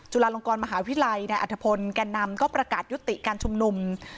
จุฬาลงกรมหาวิทยาลัยนายอัฐพลแก่นำก็ประกาศยุติการชุมนุม